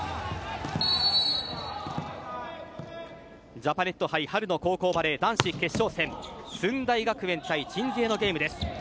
ジャパネット杯春の高校バレー男子決勝戦駿台学園対鎮西のゲームです。